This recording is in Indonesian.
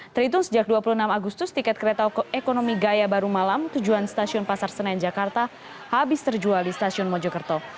terhitung sejak dua puluh enam agustus tiket kereta ekonomi gaya baru malam tujuan stasiun pasar senen jakarta habis terjual di stasiun mojokerto